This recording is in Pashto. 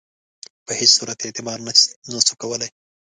په هیڅ صورت اعتبار نه سو کولای.